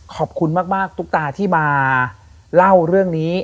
ขอบคุณมากตุ๊กตาที่มาเล่าเรื่องนี้